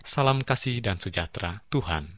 salam kasih dan sejahtera tuhan